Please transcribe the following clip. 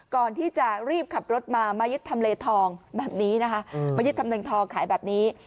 ก่อนที่จะรีบขับรถมามายึดทำเลทองแบบนี้นะคะมายึดทำเนืองทองขายแบบนี้